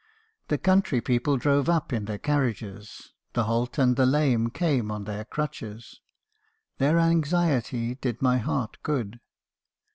The county people drove up in their carriages, — the halt and the lame came on their crutches. Their anxiety did my heart good.